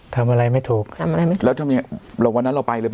ทำอะไรไม่ถูกทำอะไรไม่ถูกแล้วทำไมวันนั้นเราไปหรือเปล่า